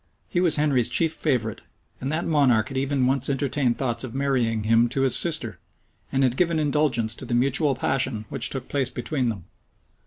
He was Henry's chief favorite; and that monarch had even once entertained thoughts of marrying him to his sister, and had given indulgence to the mutual passion which took place between them.